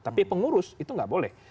tapi pengurus itu nggak boleh